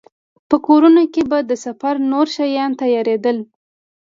په کورونو کې به د سفر نور شیان تيارېدل.